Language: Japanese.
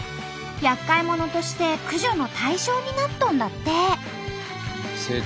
やっかい者として駆除の対象になっとんだって！